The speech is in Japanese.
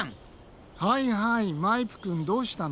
はいはいマイプくんどうしたの？